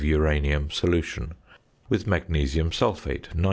"Uranium" solution With magnesium sulphate 19.